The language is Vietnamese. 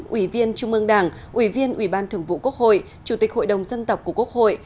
ủy viên trung ương đảng ủy viên ủy ban thường vụ quốc hội chủ tịch hội đồng dân tộc của quốc hội